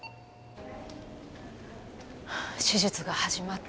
手術が始まって。